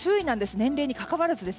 年齢にかかわらず。